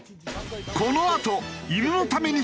このあと犬のために引っ越し！？